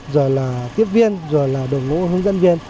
rồi là tiếp viên rồi là đội ngũ hướng dẫn viên